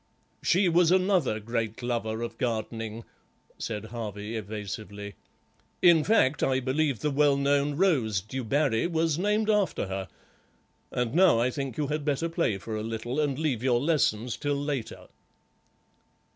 "She was another great lover of gardening," said Harvey, evasively; "in fact, I believe the well known rose Du Barry was named after her, and now I think you had better play for a little and leave your lessons till later."